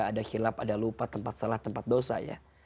ada hilap ada lupa tempat salah tempat dosa ya